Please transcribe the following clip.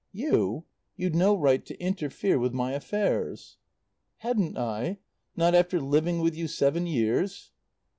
"You? You'd no right to interfere with my affairs." "Hadn't I? Not after living with you seven years?"